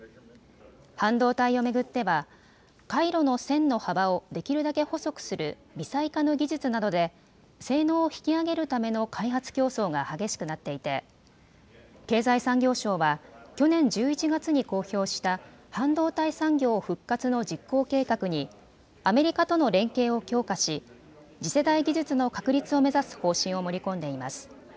半導体を巡っては回路の線の幅をできるだけ細くする微細化の技術などで性能を引き上げるための開発競争が激しくなっていて経済産業省は去年１１月に公表した半導体産業復活の実行計画にアメリカとの連携を強化し次世代技術の確立を目指す方針を盛り込んでいます。